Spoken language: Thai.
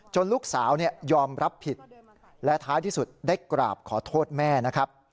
ลูกสาวยอมรับผิดและท้ายที่สุดได้กราบขอโทษแม่นะครับ